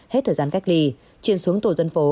hết thời gian cách ly chuyên xuống tổ dân phố